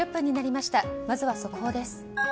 まずは速報です。